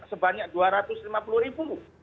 sebanyak dua ratus lima puluh ribu